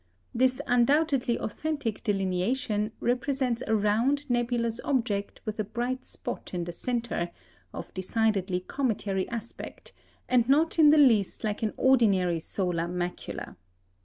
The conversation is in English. This undoubtedly authentic delineation represents a round nebulous object with a bright spot in the centre, of decidedly cometary aspect, and not in the least like an ordinary solar "macula."